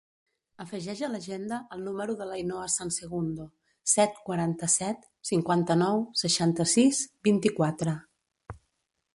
Afegeix a l'agenda el número de l'Ainhoa San Segundo: set, quaranta-set, cinquanta-nou, seixanta-sis, vint-i-quatre.